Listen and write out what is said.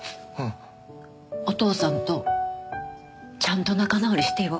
お父さんとちゃんと仲直りしてよ。